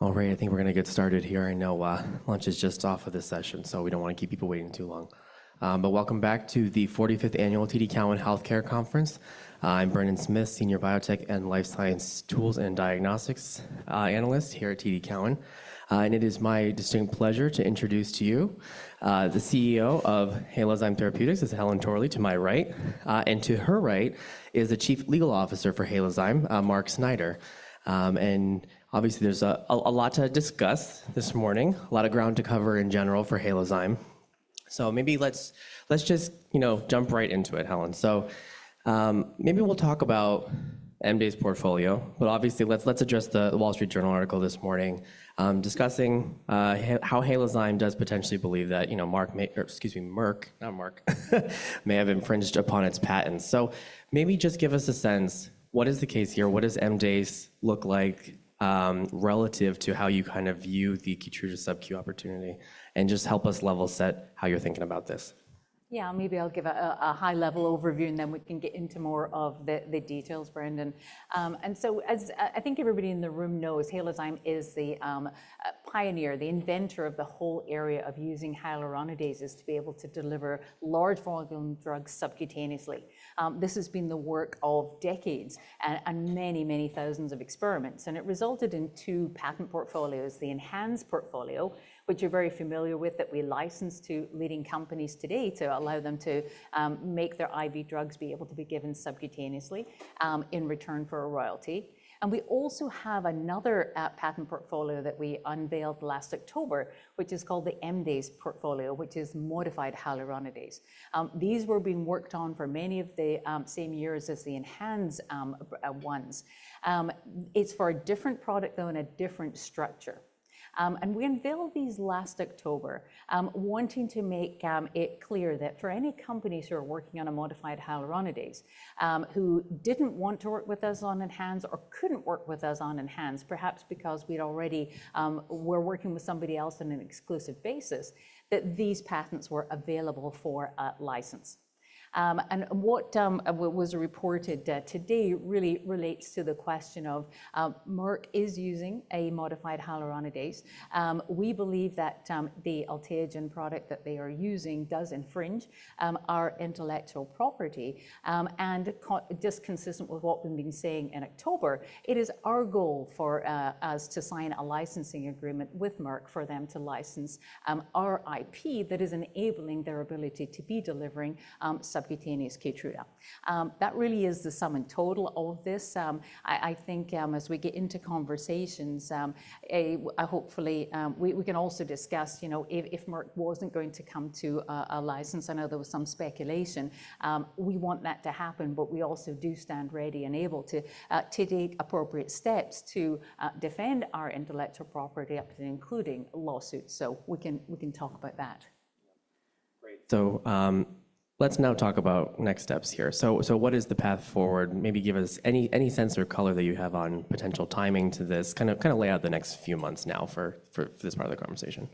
All right, I think we're going to get started here. I know lunch is just off of this session, so we don't want to keep people waiting too long. But welcome back to the 45th Annual TD Cowen Healthcare Conference. I'm Brendan Smith, Senior Biotech and Life Science Tools and Diagnostics Analyst here at TD Cowen. And it is my distinct pleasure to introduce to you the CEO of Halozyme Therapeutics, Helen Torley, to my right. And to her right is the Chief Legal Officer for Halozyme, Mark Snyder. And obviously, there's a lot to discuss this morning, a lot of ground to cover in general for Halozyme. So maybe let's just jump right into it, Helen. So maybe we'll talk about MHA's portfolio. But obviously, let's address The Wall Street Journal article this morning discussing how Halozyme does potentially believe that Merck may have infringed upon its patents. So maybe just give us a sense. What is the case here? What does MHA's look like relative to how you kind of view the Keytruda subQ opportunity? And just help us level set how you're thinking about this. Yeah, maybe I'll give a high-level overview, and then we can get into more of the details, Brendan. So I think everybody in the room knows Halozyme is the pioneer, the inventor of the whole area of using hyaluronidases to be able to deliver large-volume drugs subcutaneously. This has been the work of decades and many, many thousands of experiments. It resulted in two patent portfolios, the ENHANZE portfolio, which you're very familiar with, that we licensed to leading companies today to allow them to make their IV drugs be able to be given subcutaneously in return for a royalty. We also have another patent portfolio that we unveiled last October, which is called the MHA portfolio, which is modified hyaluronidase. These were being worked on for many of the same years as the ENHANZE ones. It's for a different product, though, and a different structure. And we unveiled these last October, wanting to make it clear that for any companies who are working on a modified hyaluronidase, who didn't want to work with us on ENHANZE or couldn't work with us on ENHANZE, perhaps because we were already working with somebody else on an exclusive basis, that these patents were available for a license. And what was reported today really relates to the question of Merck is using a modified hyaluronidase. We believe that the Alteogen product that they are using does infringe our intellectual property. And just consistent with what we've been saying in October, it is our goal for us to sign a licensing agreement with Merck for them to license our IP that is enabling their ability to be delivering subcutaneous Keytruda. That really is the sum and total of this. I think as we get into conversations, hopefully, we can also discuss if Merck wasn't going to come to a license. I know there was some speculation. We want that to happen, but we also do stand ready and able to take appropriate steps to defend our intellectual property, including lawsuits. So we can talk about that. Great. So let's now talk about next steps here. So what is the path forward? Maybe give us any sense or color that you have on potential timing to this. Kind of lay out the next few months now for this part of the conversation.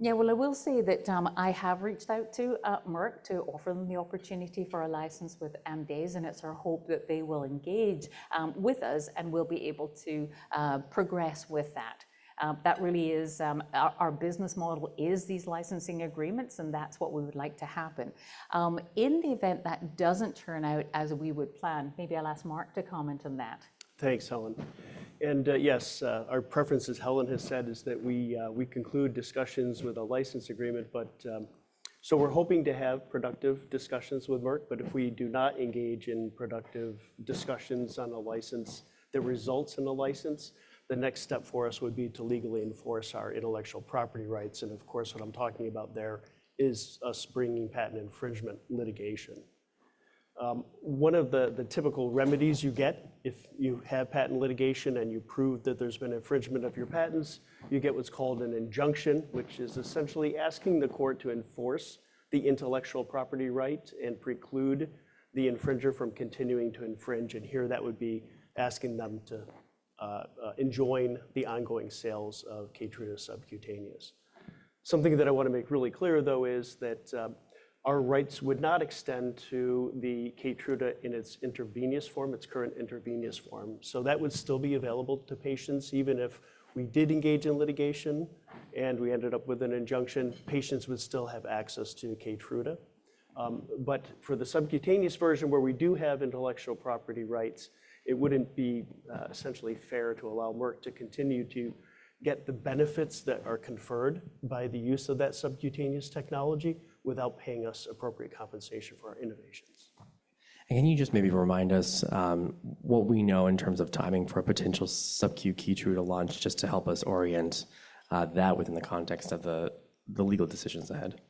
Yeah, well, I will say that I have reached out to Merck to offer them the opportunity for a license with MHA's. It's our hope that they will engage with us and we'll be able to progress with that. That really is our business model is these licensing agreements, and that's what we would like to happen. In the event that doesn't turn out as we would plan, maybe I'll ask Mark to comment on that. Thanks, Helen. And yes, our preference, as Helen has said, is that we conclude discussions with a license agreement. So we're hoping to have productive discussions with Merck. But if we do not engage in productive discussions on a license that results in a license, the next step for us would be to legally enforce our intellectual property rights. And of course, what I'm talking about there is us bringing patent infringement litigation. One of the typical remedies you get if you have patent litigation and you prove that there's been infringement of your patents, you get what's called an injunction, which is essentially asking the court to enforce the intellectual property right and preclude the infringer from continuing to infringe. And here, that would be asking them to enjoin the ongoing sales of Keytruda subcutaneous. Something that I want to make really clear, though, is that our rights would not extend to the Keytruda in its intravenous form, its current intravenous form. So that would still be available to patients. Even if we did engage in litigation and we ended up with an injunction, patients would still have access to Keytruda. But for the subcutaneous version where we do have intellectual property rights, it wouldn't be essentially fair to allow Merck to continue to get the benefits that are conferred by the use of that subcutaneous technology without paying us appropriate compensation for our innovations. Can you just maybe remind us what we know in terms of timing for a potential SubQ Keytruda launch just to help us orient that within the context of the legal decisions ahead?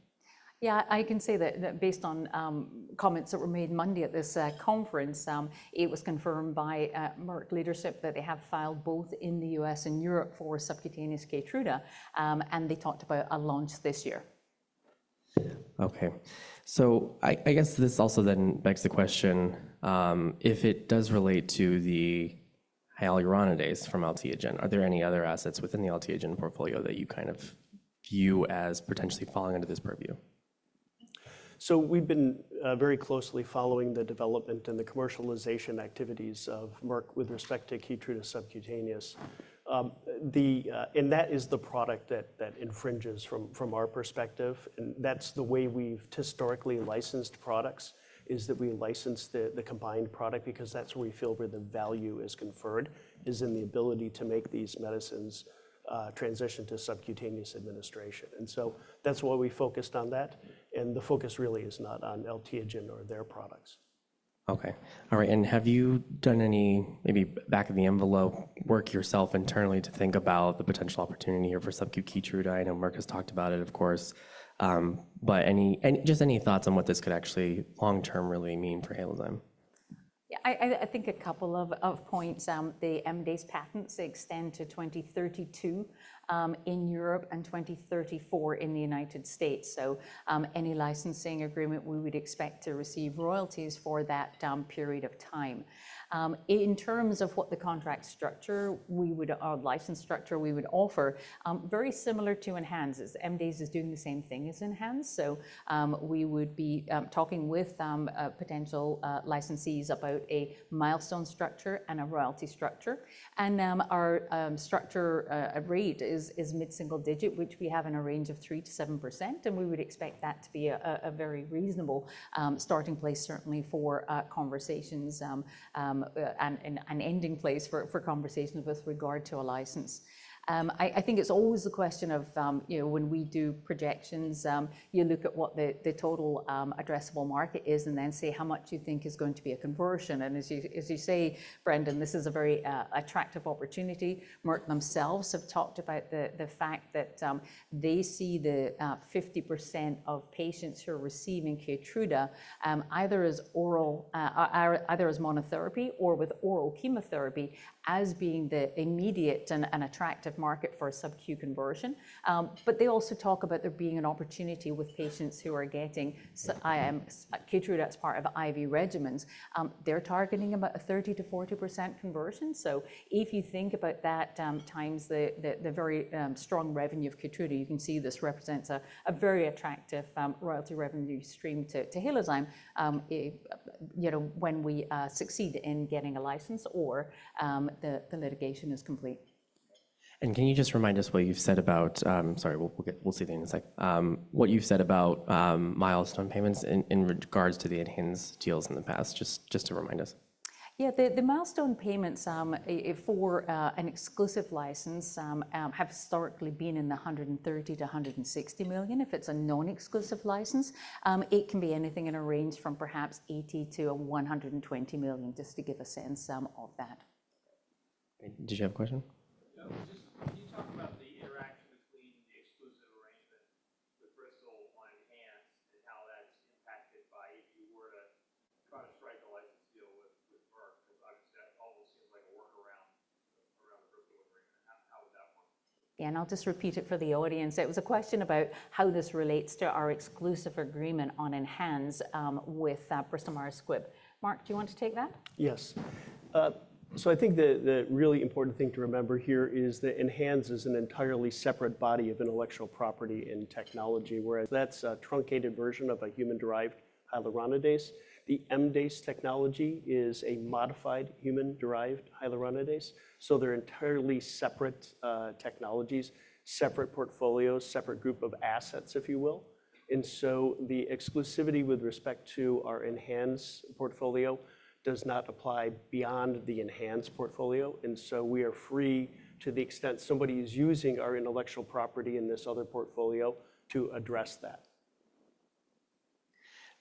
Yeah, I can say that based on comments that were made Monday at this conference, it was confirmed by Merck leadership that they have filed both in the U.S. and Europe for subcutaneous Keytruda, and they talked about a launch this year. OK. So I guess this also then begs the question, if it does relate to the hyaluronidases from Alteogen, are there any other assets within the Alteogen portfolio that you kind of view as potentially falling under this purview? So we've been very closely following the development and the commercialization activities of Merck with respect to Keytruda subcutaneous. And that is the product that infringes from our perspective. And that's the way we've historically licensed products, is that we license the combined product because that's where we feel where the value is conferred, is in the ability to make these medicines transition to subcutaneous administration. And so that's why we focused on that. And the focus really is not on Alteogen or their products. OK. All right. And have you done any maybe back-of-the-envelope work yourself internally to think about the potential opportunity here for SubQ Keytruda? I know Merck has talked about it, of course. But just any thoughts on what this could actually long-term really mean for Halozyme? Yeah, I think a couple of points. The MHA's patents extend to 2032 in Europe and 2034 in the United States. So any licensing agreement, we would expect to receive royalties for that period of time. In terms of what the contract structure we would, our license structure we would offer, very similar to ENHANZE's. MHA's is doing the same thing as ENHANZE. We would be talking with potential licensees about a milestone structure and a royalty structure. Our structure rate is mid-single digit, which we have in a range of 3% to 7%. We would expect that to be a very reasonable starting place, certainly, for conversations and an ending place for conversations with regard to a license. I think it's always a question of when we do projections, you look at what the total addressable market is and then say how much you think is going to be a conversion. And as you say, Brendan, this is a very attractive opportunity. Merck themselves have talked about the fact that they see the 50% of patients who are receiving Keytruda either as monotherapy or with oral chemotherapy as being the immediate and attractive market for subQ conversion. But they also talk about there being an opportunity with patients who are getting Keytruda as part of IV regimens. They're targeting about a 30% to 40% conversion. So if you think about that times the very strong revenue of Keytruda, you can see this represents a very attractive royalty revenue stream to Halozyme when we succeed in getting a license or the litigation is complete. Can you just remind us what you've said about milestone payments in regards to the ENHANZE deals in the past, just to remind us? Yeah, the milestone payments for an exclusive license have historically been in the $130 million to $160 million. If it's a non-exclusive license, it can be anything in a range from perhaps $80 million-$120 million, just to give a sense of that. Did you have a question? Yeah. Can you talk about the interaction between the exclusive arrangement with Bristol on ENHANZE and how that's impacted by if you were to try to strike a license deal with Merck? Because obviously, that almost seems like a workaround around the Bristol agreement. How would that work? Yeah, and I'll just repeat it for the audience. It was a question about how this relates to our exclusive agreement on ENHANZE with Bristol Myers Squibb. Mark, do you want to take that? Yes. So I think the really important thing to remember here is that ENHANZE is an entirely separate body of intellectual property in technology, whereas that's a truncated version of a human-derived hyaluronidase. The MHA's technology is a modified human-derived hyaluronidase. So they're entirely separate technologies, separate portfolios, separate group of assets, if you will. And so the exclusivity with respect to our ENHANZE portfolio does not apply beyond the ENHANZE portfolio. And so we are free to the extent somebody is using our intellectual property in this other portfolio to address that.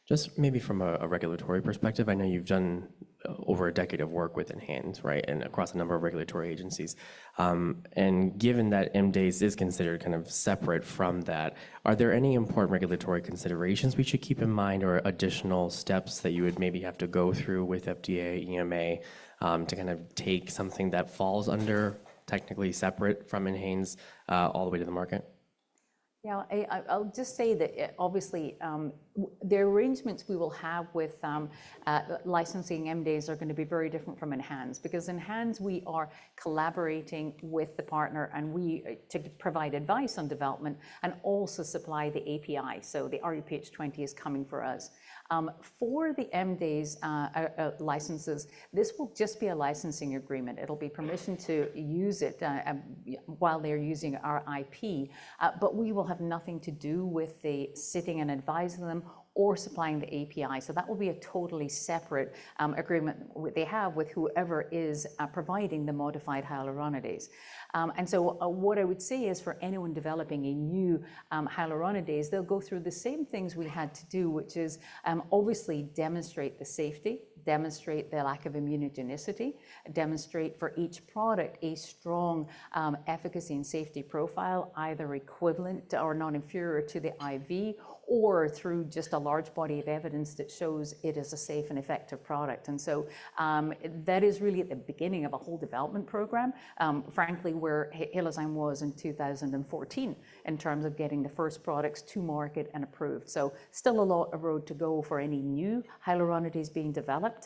Just maybe from a regulatory perspective, I know you've done over a decade of work with ENHANZE, right, and across a number of regulatory agencies. And given that MHA's is considered kind of separate from that, are there any important regulatory considerations we should keep in mind or additional steps that you would maybe have to go through with FDA, EMA to kind of take something that falls under technically separate from ENHANZE all the way to the market? Yeah, I'll just say that obviously, the arrangements we will have with licensing MHA are going to be very different from ENHANZE. Because ENHANZE, we are collaborating with the partner to provide advice on development and also supply the API. So the rHuPH20 is coming from us. For the MHA licenses, this will just be a licensing agreement. It'll be permission to use it while they're using our IP. But we will have nothing to do with sitting and advising them or supplying the API. So that will be a totally separate agreement they have with whoever is providing the modified hyaluronidase. What I would say is for anyone developing a new hyaluronidase, they'll go through the same things we had to do, which is obviously demonstrate the safety, demonstrate the lack of immunogenicity, demonstrate for each product a strong efficacy and safety profile, either equivalent or not inferior to the IV, or through just a large body of evidence that shows it is a safe and effective product. That is really at the beginning of a whole development program, frankly, where Halozyme was in 2014 in terms of getting the first products to market and approved. Still a lot of road to go for any new hyaluronidases being developed.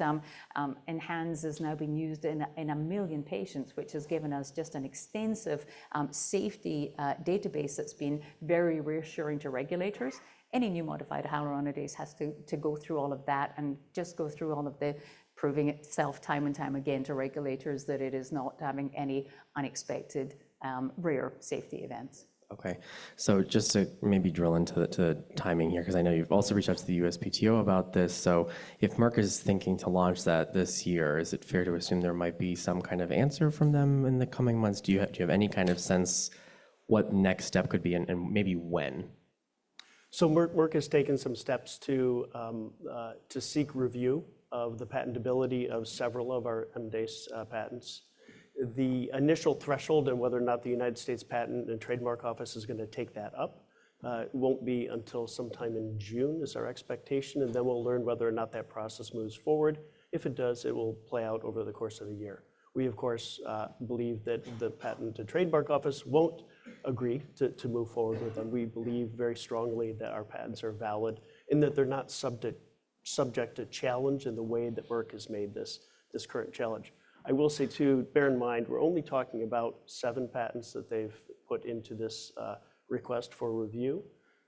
ENHANZE has now been used in a million patients, which has given us just an extensive safety database that's been very reassuring to regulators. Any new modified hyaluronidases has to go through all of that and just go through all of the proving itself time and time again to regulators that it is not having any unexpected rare safety events. OK. So just to maybe drill into the timing here, because I know you've also reached out to the USPTO about this. So if Merck is thinking to launch that this year, is it fair to assume there might be some kind of answer from them in the coming months? Do you have any kind of sense what next step could be and maybe when? Merck has taken some steps to seek review of the patentability of several of our MHA's patents. The initial threshold on whether or not the United States Patent and Trademark Office is going to take that up won't be until sometime in June, is our expectation. Then we'll learn whether or not that process moves forward. If it does, it will play out over the course of the year. We, of course, believe that the Patent and Trademark Office won't agree to move forward with them. We believe very strongly that our patents are valid and that they're not subject to challenge in the way that Merck has made this current challenge. I will say, too, bear in mind, we're only talking about seven patents that they've put into this request for review.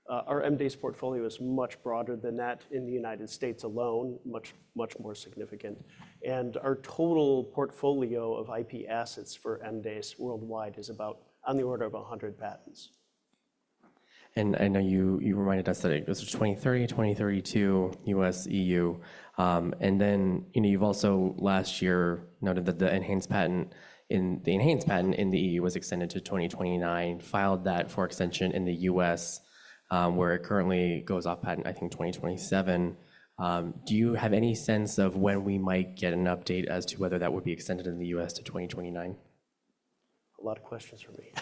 Our MHA's portfolio is much broader than that in the United States alone, much more significant, and our total portfolio of IP assets for MHA's worldwide is about on the order of 100 patents. And I know you reminded us that it was 2030, 2032, U.S., E.U. And then you've also last year noted that the ENHANZE patent in the E.U. was extended to 2029, filed that for extension in the U.S., where it currently goes off patent, I think, 2027. Do you have any sense of when we might get an update as to whether that would be extended in the U.S. to 2029? A lot of questions for me.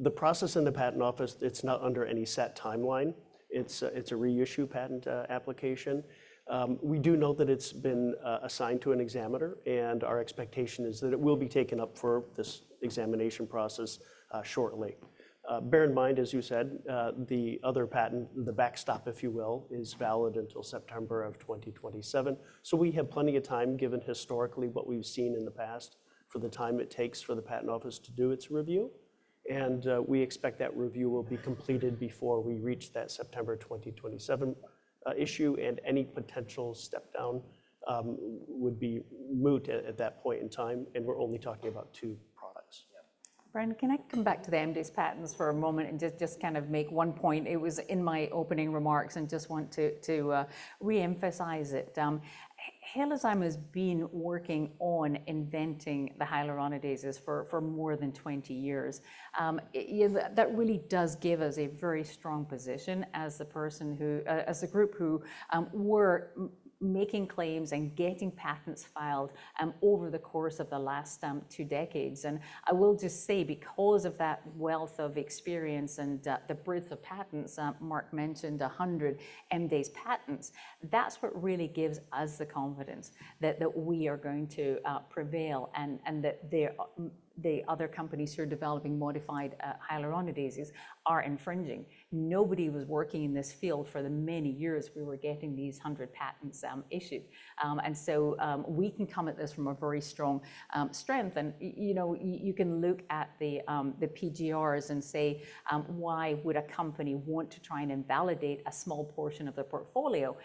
The process in the Patent Office, it's not under any set timeline. It's a reissue patent application. We do know that it's been assigned to an examiner. And our expectation is that it will be taken up for this examination process shortly. Bear in mind, as you said, the other patent, the backstop, if you will, is valid until September of 2027. So we have plenty of time, given historically what we've seen in the past, for the time it takes for the Patent Office to do its review. And we expect that review will be completed before we reach that September 2027 issue. And any potential step down would be moot at that point in time. And we're only talking about two products. Brendan, can I come back to the MHA's patents for a moment and just kind of make one point? It was in my opening remarks and just want to reemphasize it. Halozyme has been working on inventing the hyaluronidases for more than 20 years. That really does give us a very strong position as the group who were making claims and getting patents filed over the course of the last two decades, and I will just say, because of that wealth of experience and the breadth of patents, Mark mentioned 100 MHA's patents, that's what really gives us the confidence that we are going to prevail and that the other companies who are developing modified hyaluronidases are infringing. Nobody was working in this field for the many years we were getting these 100 patents issued, and so we can come at this from a very strong strength. And you can look at the PGRs and say, why would a company want to try and invalidate a small portion of their portfolio?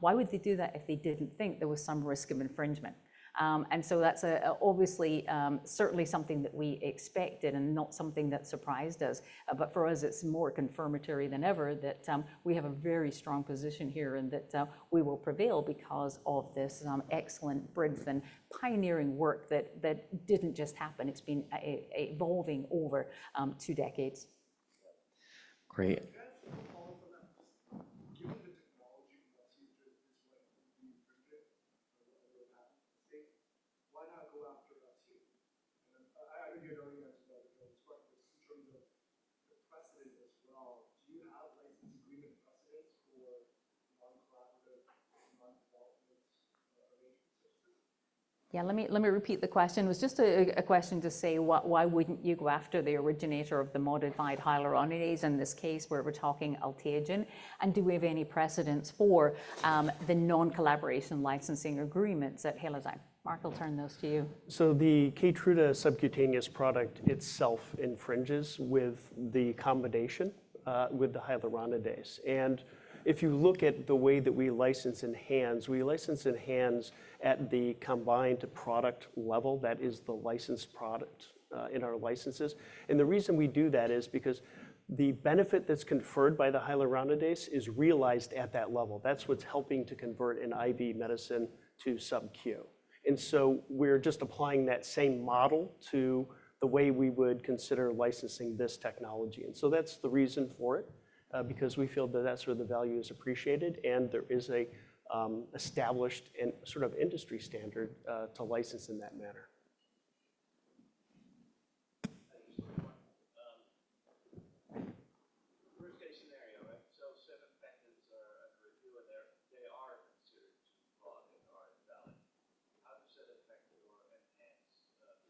Why would they do that if they didn't think there was some risk of infringement? And so that's obviously certainly something that we expected and not something that surprised us. But for us, it's more confirmatory than ever that we have a very strong position here and that we will prevail because of this excellent bridge and pioneering work that didn't just happen. It's been evolving over two decades. Great. If you ask for the policy that given the technology that's used in this way, if you improve it, what will happen? Why not go after us too? I know you don't answer that, but in terms of the precedent as well, do you have license agreement precedents for non-collaborative non-development arrangements such as this? Yeah, let me repeat the question. It was just a question to say, why wouldn't you go after the originator of the modified hyaluronidases in this case where we're talking Alteogen, and do we have any precedents for the non-collaboration licensing agreements at Halozyme? Mark will turn those to you. The Keytruda subcutaneous product itself infringes with the combination with the hyaluronidase. And if you look at the way that we license ENHANZE, we license ENHANZE at the combined product level. That is the licensed product in our licenses. And the reason we do that is because the benefit that's conferred by the hyaluronidases is realized at that level. That's what's helping to convert an IV medicine to SubQ. And so we're just applying that same model to the way we would consider licensing this technology. And so that's the reason for it, because we feel that that's where the value is appreciated and there is an established sort of industry standard to license in that manner. First case scenario, right? So seven patents are under review and they are considered broad and are invalid. How does that affect your ENHANZE business at all?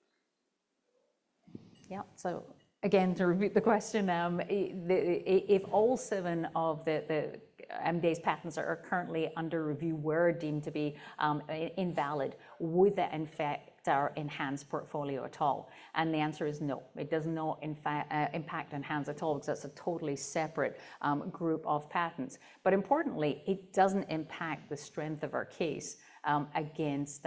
Yeah. So again, to repeat the question, if all seven of the MHA's patents are currently under review, were deemed to be invalid, would that affect our ENHANZE portfolio at all? And the answer is no. It does not impact ENHANZE at all because that's a totally separate group of patents. But importantly, it doesn't impact the strength of our case against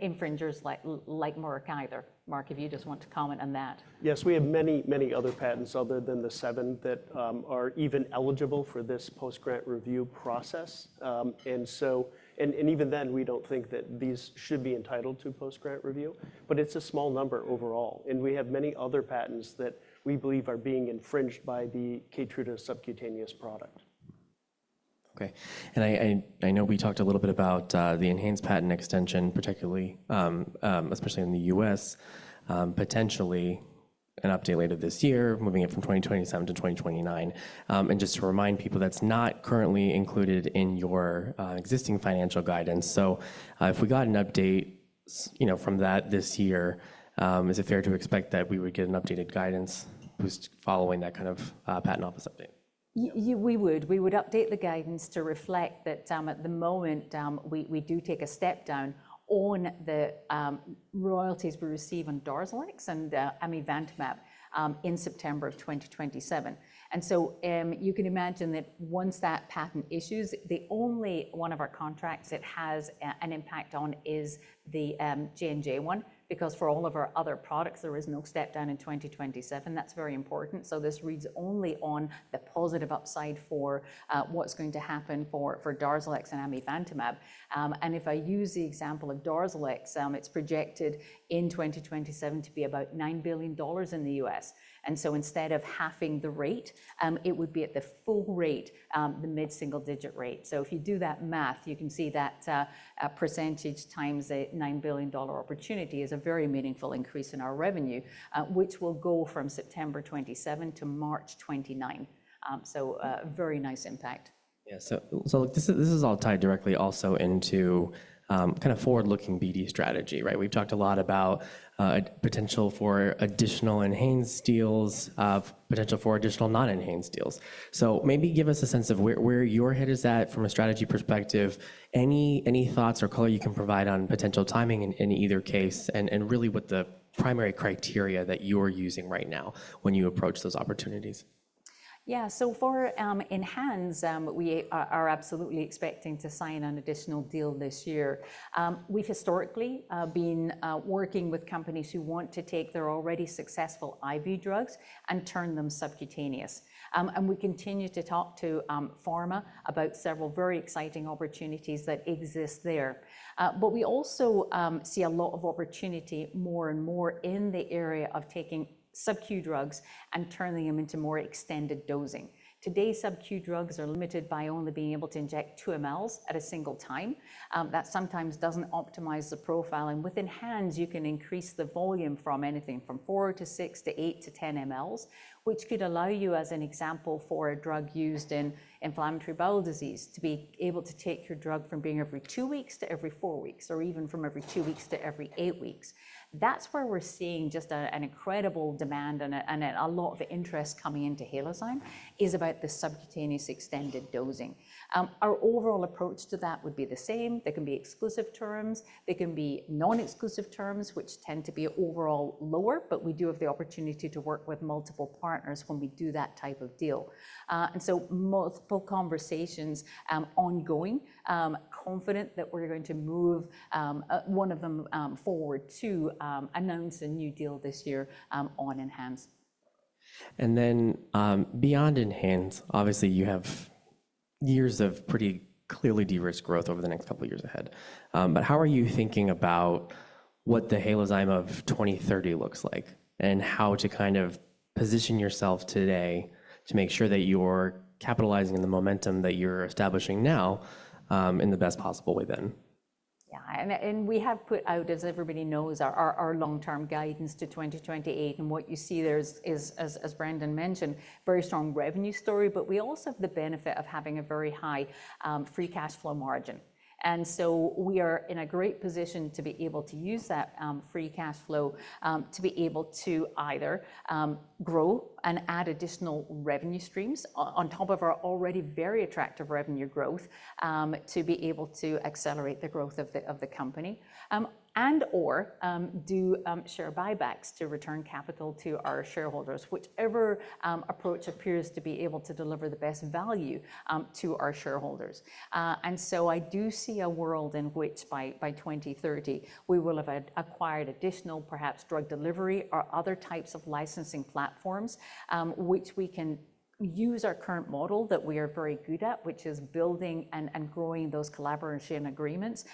infringers like Merck either. Mark, if you just want to comment on that. Yes, we have many, many other patents other than the seven that are even eligible for this Post-Grant Review process. And even then, we don't think that these should be entitled to Post-Grant Review. But it's a small number overall. And we have many other patents that we believe are being infringed by the Keytruda subcutaneous product. OK. And I know we talked a little bit about the ENHANZE patent extension, particularly, especially in the U.S., potentially an update later this year, moving it from 2027 to 2029. And just to remind people, that's not currently included in your existing financial guidance. So if we got an update from that this year, is it fair to expect that we would get an updated guidance following that kind of Patent Office update? We would update the guidance to reflect that at the moment, we do take a step down on the royalties we receive on Darzalex and amivantamab in September of 2027. And so you can imagine that once that patent issues, the only one of our contracts it has an impact on is the J&J one. Because for all of our other products, there is no step down in 2027. That's very important. So this reads only on the positive upside for what's going to happen for Darzalex and amivantamab. And if I use the example of Darzalex, it's projected in 2027 to be about $9 billion in the U.S. And so instead of halving the rate, it would be at the full rate, the mid-single digit rate. So if you do that math, you can see that percentage times the $9 billion opportunity is a very meaningful increase in our revenue, which will go from September 27 to March 29. So a very nice impact. Yeah, so this is all tied directly also into kind of forward-looking BD strategy, right? We've talked a lot about potential for additional ENHANZE deals, potential for additional non-ENHANZE deals, so maybe give us a sense of where your head is at from a strategy perspective, any thoughts or color you can provide on potential timing in either case, and really what the primary criteria that you're using right now when you approach those opportunities. Yeah. So for ENHANZE, we are absolutely expecting to sign an additional deal this year. We've historically been working with companies who want to take their already successful IV drugs and turn them subcutaneous. And we continue to talk to pharma about several very exciting opportunities that exist there. But we also see a lot of opportunity more and more in the area of taking SubQ drugs and turning them into more extended dosing. Today, SubQ drugs are limited by only being able to inject 2 mL at a single time. That sometimes doesn't optimize the profile. And with ENHANZE, you can increase the volume from anything from 4 to 6 to 8 to 10 mLs, which could allow you, as an example for a drug used in inflammatory bowel disease, to be able to take your drug from being every two weeks to every four weeks or even from every two weeks to every eight weeks. That's where we're seeing just an incredible demand and a lot of interest coming into Halozyme, is about the subcutaneous extended dosing. Our overall approach to that would be the same. There can be exclusive terms. There can be non-exclusive terms, which tend to be overall lower. But we do have the opportunity to work with multiple partners when we do that type of deal. And so multiple conversations ongoing, confident that we're going to move one of them forward to announce a new deal this year on ENHANZE. And then beyond ENHANZE, obviously, you have years of pretty clearly de-risked growth over the next couple of years ahead. But how are you thinking about what the Halozyme of 2030 looks like and how to kind of position yourself today to make sure that you're capitalizing on the momentum that you're establishing now in the best possible way then? Yeah. And we have put out, as everybody knows, our long-term guidance to 2028. And what you see there is, as Brendan mentioned, a very strong revenue story. But we also have the benefit of having a very high free cash flow margin. And so we are in a great position to be able to use that free cash flow to be able to either grow and add additional revenue streams on top of our already very attractive revenue growth to be able to accelerate the growth of the company and/or do share buybacks to return capital to our shareholders, whichever approach appears to be able to deliver the best value to our shareholders. And so I do see a world in which by 2030, we will have acquired additional, perhaps, drug delivery or other types of licensing platforms, which we can use our current model that we are very good at, which is building and growing those collaboration agreements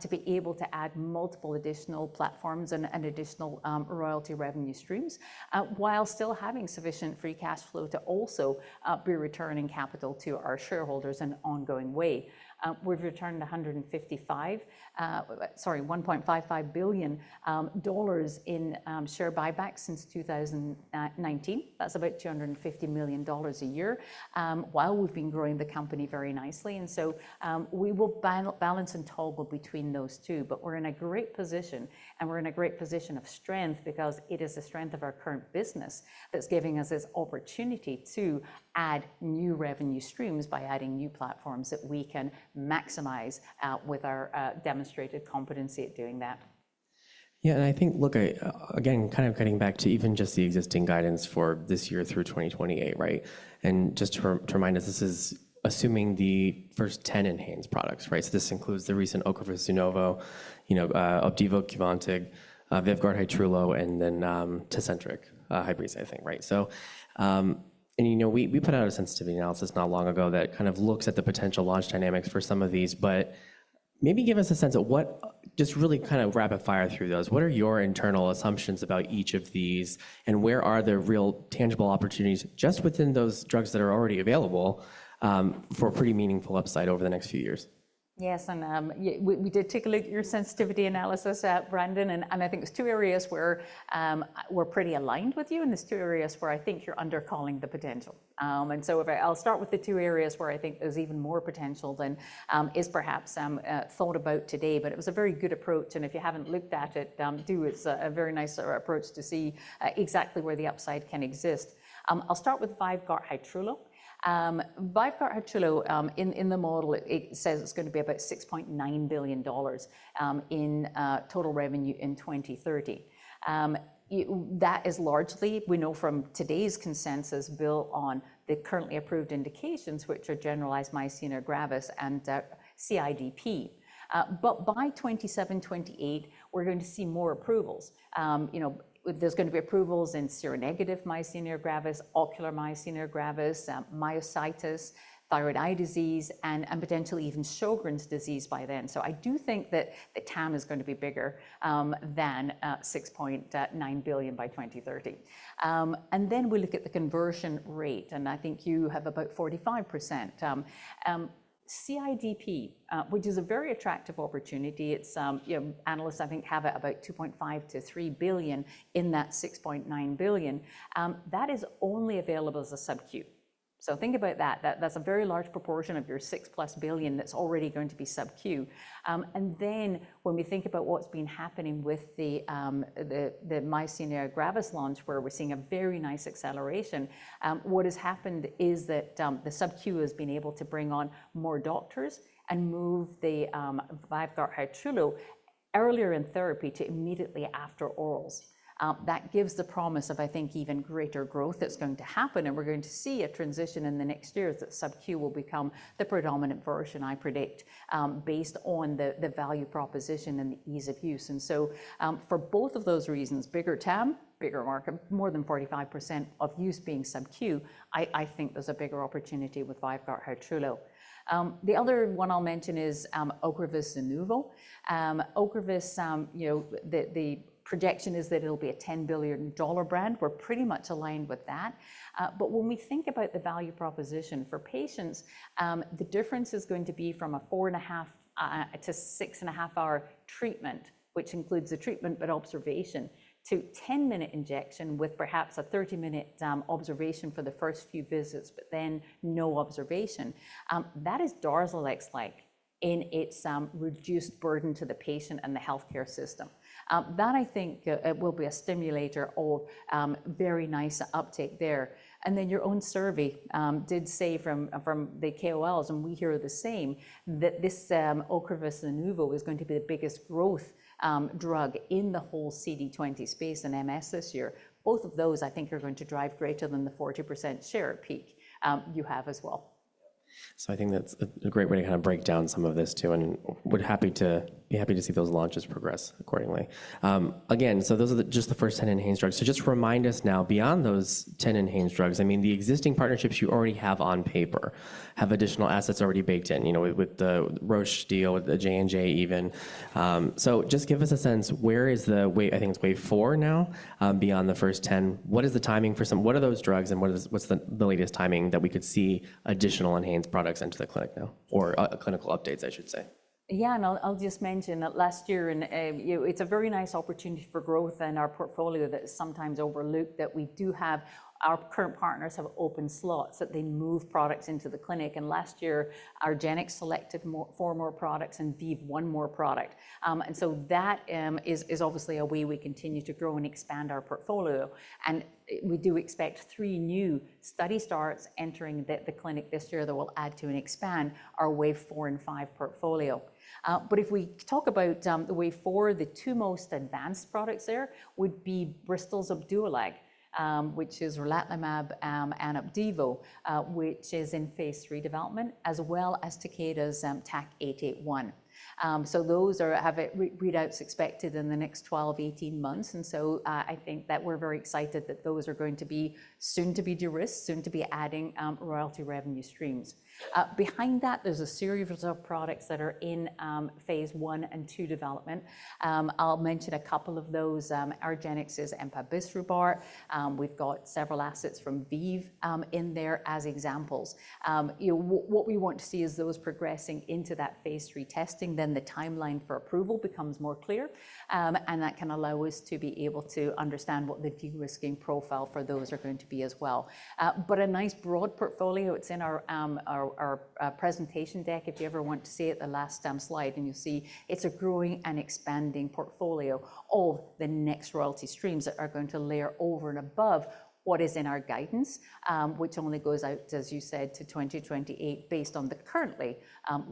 to be able to add multiple additional platforms and additional royalty revenue streams while still having sufficient free cash flow to also be returning capital to our shareholders in an ongoing way. We've returned $155, sorry, $1.55 billion in share buybacks since 2019. That's about $250 million a year while we've been growing the company very nicely. And so we will balance and toggle between those two. But we're in a great position. We're in a great position of strength because it is the strength of our current business that's giving us this opportunity to add new revenue streams by adding new platforms that we can maximize with our demonstrated competency at doing that. Yeah. And I think, look, again, kind of getting back to even just the existing guidance for this year through 2028, right? And just to remind us, this is assuming the first 10 ENHANZE products, right? So this includes the recent Ocrevus Zunovo, Opdivo, Opdualag, VYVGART Hytrulo, and then Tecentriq Hybreza, I think, right? And we put out a sensitivity analysis not long ago that kind of looks at the potential launch dynamics for some of these. But maybe give us a sense of what just really kind of rapid-fire through those. What are your internal assumptions about each of these? And where are the real tangible opportunities just within those drugs that are already available for pretty meaningful upside over the next few years? Yes. And we did take a look at your sensitivity analysis, Brendan. And I think there's two areas where we're pretty aligned with you. And there's two areas where I think you're undercalling the potential. And so I'll start with the two areas where I think there's even more potential than is perhaps thought about today. But it was a very good approach. And if you haven't looked at it, do. It's a very nice approach to see exactly where the upside can exist. I'll start with VYVGART Hytrulo. VYVGART Hytrulo, in the model, it says it's going to be about $6.9 billion in total revenue in 2030. That is largely, we know from today's consensus, built on the currently approved indications, which are generalized myasthenia Gravis and CIDP. But by 2027, 2028, we're going to see more approvals. There's going to be approvals in seronegative myasthenia gravis, ocular myasthenia gravis, myositis, thyroid eye disease, and potentially even Sjögren's disease by then. So I do think that the TAM is going to be bigger than $6.9 billion by 2030. And then we look at the conversion rate. And I think you have about 45%. CIDP, which is a very attractive opportunity, analysts, I think, have about $2.5 to $3 billion in that $6.9 billion. That is only available as a SubQ. So think about that. That's a very large proportion of your $6+ billion that's already going to be SubQ. And then when we think about what's been happening with the myasthenia gravis launch, where we're seeing a very nice acceleration, what has happened is that the SubQ has been able to bring on more doctors and move the VYVGART Hytrulo earlier in therapy to immediately after orals. That gives the promise of, I think, even greater growth that's going to happen. And we're going to see a transition in the next years that SubQ will become the predominant version, I predict, based on the value proposition and the ease of use. And so for both of those reasons, bigger TAM, bigger market, more than 45% of use being SubQ, I think there's a bigger opportunity with VYVGART Hytrulo. The other one I'll mention is Ocrevus Zunovo. Ocrevus, the projection is that it'll be a $10 billion brand. We're pretty much aligned with that. But when we think about the value proposition for patients, the difference is going to be from a 4.5 to 6.5-hour treatment, which includes the treatment but observation, to 10-minute injection with perhaps a 30-minute observation for the first few visits, but then no observation. That is Darzalex-like in its reduced burden to the patient and the health care system. That, I think, will be a stimulator of very nice uptake there. And then your own survey did say from the KOLs, and we hear the same, that this Ocrevus Zunovo is going to be the biggest growth drug in the whole CD20 space and MS this year. Both of those, I think, are going to drive greater than the 40% share peak you have as well. So I think that's a great way to kind of break down some of this too. And we'd be happy to see those launches progress accordingly. Again, so those are just the first 10 ENHANZE drugs. So just remind us now, beyond those 10 ENHANZE drugs, I mean, the existing partnerships you already have on paper have additional assets already baked in with the Roche deal with the J&J even. So just give us a sense, where is the, I think it's wave four now, beyond the first 10? What is the timing for some? What are those drugs? And what's the latest timing that we could see additional ENHANZE products into the clinic now or clinical updates, I should say? Yeah, and I'll just mention that last year, it's a very nice opportunity for growth in our portfolio that is sometimes overlooked that we do have our current partners have open slots that they move products into the clinic. And last year, Argenx selected four more products and ViiV one more product. And so that is obviously a way we continue to grow and expand our portfolio. And we do expect three new study starts entering the clinic this year that will add to and expand our wave four and five portfolio. But if we talk about the wave four, the two most advanced products there would be Bristol's Opdualag, which is relatlimab and Opdivo, which is in Phase 3 development, as well as Takeda's TAK-881. So those have readouts expected in the next 12 to 18 months. And so I think that we're very excited that those are going to be soon to be de-risked, soon to be adding royalty revenue streams. Behind that, there's a series of products that are in phase one and two development. I'll mention a couple of those. Argenx's is empasiprubart. We've got several assets from ViiV in there as examples. What we want to see is those progressing into that Phase 3 testing. Then the timeline for approval becomes more clear. And that can allow us to be able to understand what the de-risking profile for those are going to be as well. But a nice broad portfolio. It's in our presentation deck, if you ever want to see it, the last slide. You'll see it's a growing and expanding portfolio of the next royalty streams that are going to layer over and above what is in our guidance, which only goes out, as you said, to 2028 based on the currently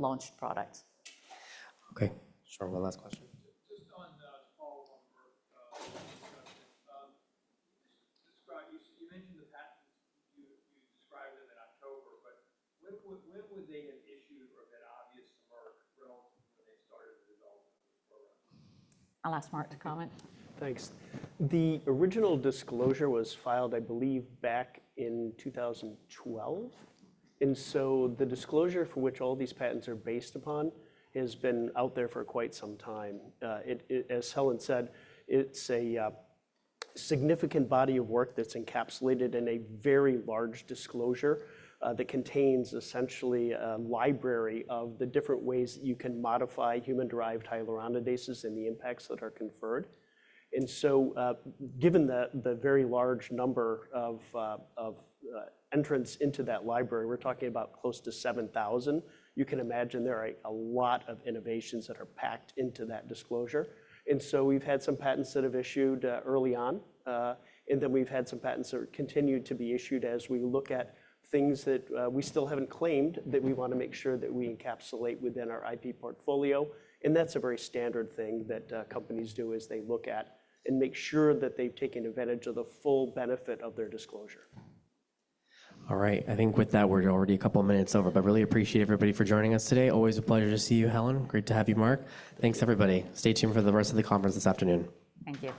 launched products. OK. Sure. One last question. Just on the follow-on Merck discussion, you mentioned the patents. You described them in October. But when were they an issue or have been obvious to Merck relative to when they started the development of this program? I'll ask Mark to comment. Thanks. The original disclosure was filed, I believe, back in 2012, and so the disclosure for which all these patents are based upon has been out there for quite some time. As Helen said, it's a significant body of work that's encapsulated in a very large disclosure that contains essentially a library of the different ways that you can modify human-derived hyaluronidases and the impacts that are conferred, and so given the very large number of entrants into that library, we're talking about close to 7,000. You can imagine there are a lot of innovations that are packed into that disclosure, and so we've had some patents that have issued early on, and then we've had some patents that have continued to be issued as we look at things that we still haven't claimed that we want to make sure that we encapsulate within our IP portfolio. That's a very standard thing that companies do is they look at and make sure that they've taken advantage of the full benefit of their disclosure. All right. I think with that, we're already a couple of minutes over. But I really appreciate everybody for joining us today. Always a pleasure to see you, Helen. Great to have you, Mark. Thanks, everybody. Stay tuned for the rest of the conference this afternoon. Thank you.